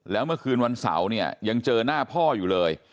แล้วเมื่อคืนวันเสาร์เนี่ยยังเจอหน้าพ่ออยู่เลย